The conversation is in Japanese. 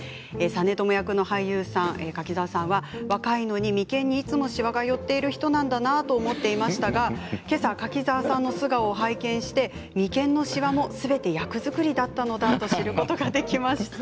実朝役の俳優さん、柿澤さんは若いのに眉間にいつもしわが寄っている人なんだなと思っていましたが今朝、柿澤さんの素顔を拝見して眉間のしわもすべて役作りだったのだと知ることができました。